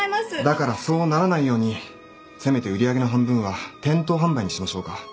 だからそうならないようにせめて売り上げの半分は店頭販売にしましょうか。